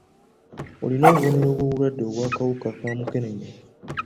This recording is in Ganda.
Olina obubonero bw'obulwadde obw'akawuka ka mukenenya.